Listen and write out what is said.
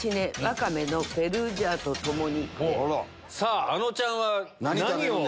さぁあのちゃんは何を？